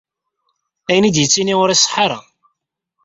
Ayen ay d-yettini ur iṣeḥḥa ara.